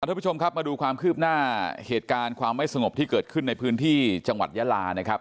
ทุกผู้ชมครับมาดูความคืบหน้าเหตุการณ์ความไม่สงบที่เกิดขึ้นในพื้นที่จังหวัดยาลานะครับ